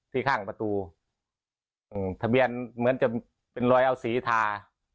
ข้างประตูทะเบียนเหมือนจะเป็นรอยเอาสีทา